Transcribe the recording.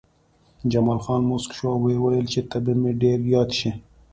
جمال خان موسک شو او وویل چې ته به مې ډېر یاد شې